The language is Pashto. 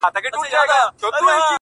بيا دي ستني ډيري باندي ښخي کړې”